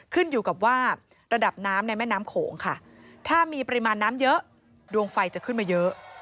ขึ้นอยู่กับว่าระดับน้ำในแม่น้ำโขงค่ะถ้ามีปริมาณน้ำเยอะดวงไฟจะขึ้นมาเยอะ